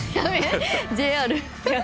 ＪＲ。